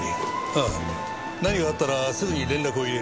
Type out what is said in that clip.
ああ何かあったらすぐに連絡を入れる。